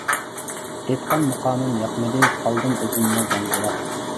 ئېيتقان مۇقامىم ياقمىدى، قالدىم ئۆزۈممۇ گاڭگىراپ.